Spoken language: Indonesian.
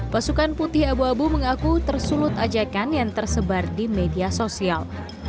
pasukan putih abu abu mengaku tersulut ajakan yang tersebar di media sosial